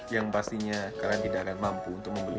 yang pastinya kalian tidak akan mampu untuk membelinya